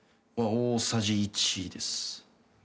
大さじ１です。